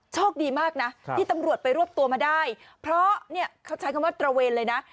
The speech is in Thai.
โชคดีมากนะที่ตำรวจไปรวบตัวมาได้เพราะเนี่ยเขาใช้คำว่าตระเวนเลยนะ